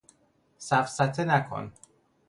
سفسطه نکن